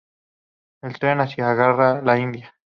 En el tren hacia Agra, la India.